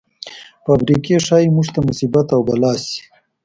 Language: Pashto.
فابریکې ښايي موږ ته مصیبت او بلا شي.